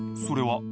［それは］